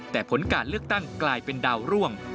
แต่ผลการเลือกตั้งกลายเป็นดาวร่วง